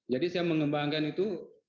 jadi saya mengembangkan itu